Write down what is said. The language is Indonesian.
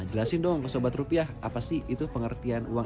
nah jelasin dong ke sobat rupiah apa sih itu pengertian uang elektronik